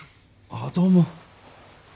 ああどうも。